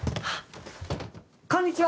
こんにちは！